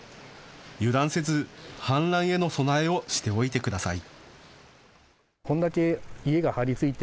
油断せず氾濫への備えをしておいてください。